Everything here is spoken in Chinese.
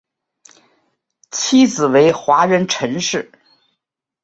妻子为华人陈氏。